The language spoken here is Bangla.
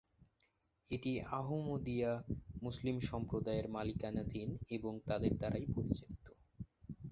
এটি আহমদিয়া মুসলিম সম্প্রদায়ের মালিকানাধীন এবং তাদের দ্বারাই পরিচালিত।